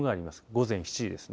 午前７時ですね